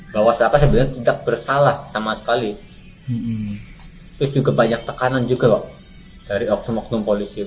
bahwa saya tidak bersalah sama sekali itu ke banyak tekanan juga dari waktu waktu polisi